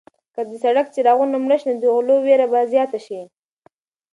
که د سړک څراغونه مړه شي نو د غلو وېره به زیاته شي.